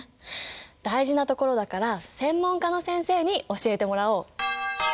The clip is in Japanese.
大事なところだから専門家の先生に教えてもらおう。